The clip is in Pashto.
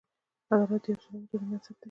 عدالت د یوې سالمې ټولنې بنسټ دی.